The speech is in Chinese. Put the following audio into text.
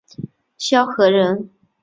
萧何人。